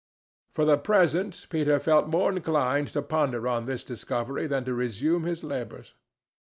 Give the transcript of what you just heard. For the present Peter felt more inclined to ponder on this discovery than to resume his labors.